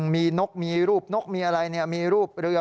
มีนกมีรูปนกมีอะไรมีรูปเรือ